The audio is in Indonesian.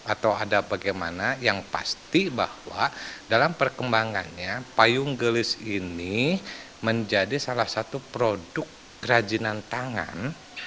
atau ada bagaimana yang pasti bahwa dalam perkembangannya payung gelis ini menjadi salah satu produk kerajinan tangan